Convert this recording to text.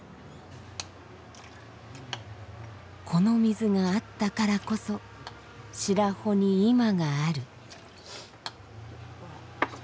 この水があったからこそ白保に今がある。